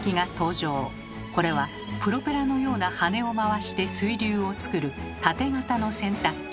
これはプロペラのような羽根を回して水流を作るタテ型の洗濯機。